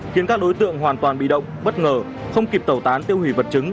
khiến các đối tượng hoàn toàn bị động bất ngờ không kịp tẩu tán tiêu hủy vật chứng